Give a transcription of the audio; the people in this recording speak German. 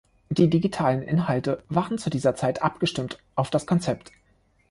Die digitalen Inhalte waren zu dieser Zeit abgestimmt auf das Konzept.